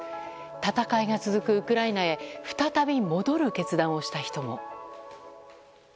戦いが続くウクライナへ再び戻る決断をした人も。